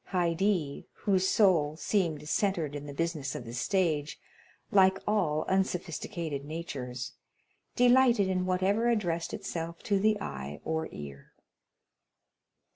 Haydée, whose soul seemed centred in the business of the stage, like all unsophisticated natures, delighted in whatever addressed itself to the eye or ear.